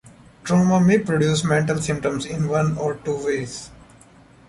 Trauma may produce mental symptoms in one of two ways.